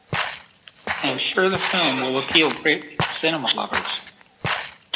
I am sure the film will appeal greatly to cinema lovers.